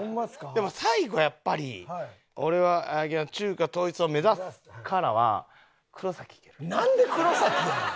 でも最後やっぱり「俺は中華統一を目指す」からは。なんで黒崎やねん！